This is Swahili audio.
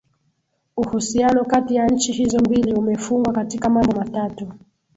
Uhusiano kati ya nchi hizo mbili umefungwa katika mambo matatu